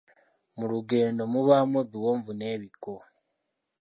Mu lugendo mubaamu ebiwonvu n’ebikko.